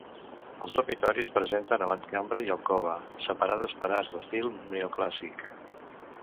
Els dormitoris presenten avantcambra i alcova, separades per arcs d'estil neoclàssic.